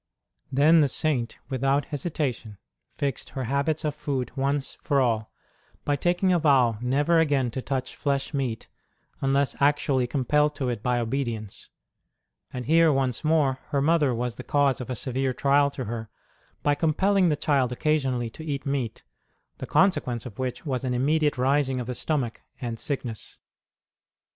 Then the Saint, without hesitation, fixed her habits of food once for all by taking a vow never again to touch flesh meat unless actually compelled to it by obedience ; and here, once more, her mother was the cause of a severe trial to her, by compelling the child occasionally to eat meat, the consequence of which was an immediate rising of the stomach and sickness.